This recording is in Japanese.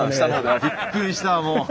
びっくりしたもう。